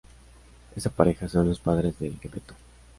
Esa pareja son los padres de Geppetto.